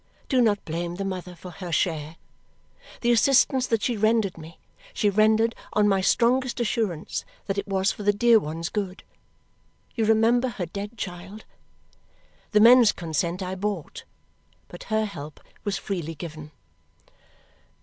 Do not blame the mother for her share. The assistance that she rendered me, she rendered on my strongest assurance that it was for the dear one's good. You remember her dead child. The men's consent I bought, but her help was freely given.